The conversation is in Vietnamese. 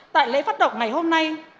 tại lễ phát động ngày hôm nay